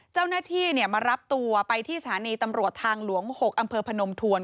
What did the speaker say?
เจ้านาธิมารับตัวไปที่สถานีตำรวจทางหลวง๖อพนมทวน